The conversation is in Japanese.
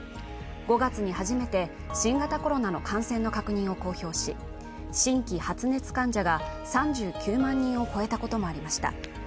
５月に初めて新型コロナの感染の確認を公表し新規発熱患者が３９万人を超えたこともありました。